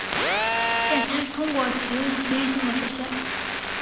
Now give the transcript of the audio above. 现时通过启用实验性的选项。